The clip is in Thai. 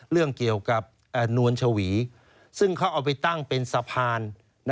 เรื่องเกี่ยวกับนวลชวีซึ่งเขาเอาไปตั้งเป็นสะพาน